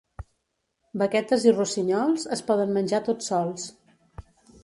Vaquetes i rossinyols es poden menjar tots sols.